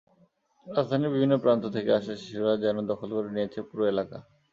রাজধানীর বিভিন্ন প্রান্ত থেকে আসা শিশুরা যেন দখল করে নিয়েছে পুরো এলাকা।